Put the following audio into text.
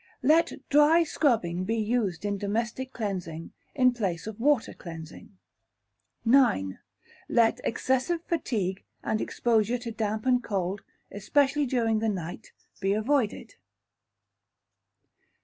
Let Dry Scrubbing be used in domestic cleansing in place of water cleansing. ix. Let excessive Fatigue, and exposure to damp and cold, especially during the night, be avoided.